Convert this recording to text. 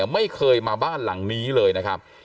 ไม่เคยมาบ้านหลังนี้เลยนะครับ